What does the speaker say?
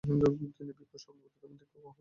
তিনি ভিক্ষুর শপথ ও বৌদ্ধধর্মে দীক্ষা গ্রহণ করেন।